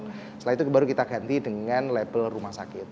setelah itu baru kita ganti dengan label rumah sakit